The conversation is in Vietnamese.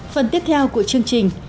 phần tiếp theo của chương trình